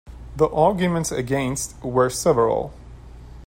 The arguments against were several.